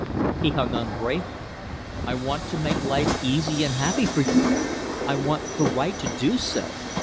He hung on bravely. "I want to make life easy and happy for you. I want the right to do so.